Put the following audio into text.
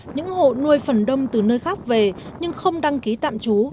những hộ nuôi phần đông từ nơi khác về nhưng không đăng ký tạm trú